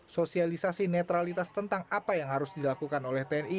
sosialisasi netralitas tentang apa yang harus dilakukan oleh tni